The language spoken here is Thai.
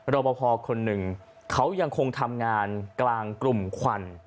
รอปภคนหนึ่งเขายังคงทำงานกลางกลุ่มควัน